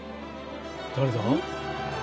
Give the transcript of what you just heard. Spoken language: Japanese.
誰だ？